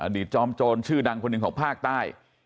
จอมโจรชื่อดังคนหนึ่งของภาคใต้